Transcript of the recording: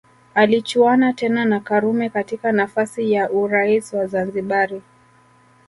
Alichuana tena na Karume katika nafasi ya urais wa Zanzibari